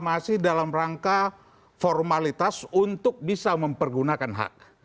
masih dalam rangka formalitas untuk bisa mempergunakan hak